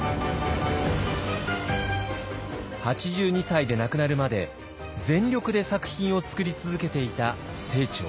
８２歳で亡くなるまで全力で作品を作り続けていた清張。